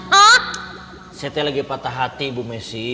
ha setel lagi patah hati bu messi